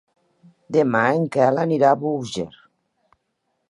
Demà en Quel anirà a Búger.